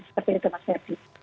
seperti itu mas ferdi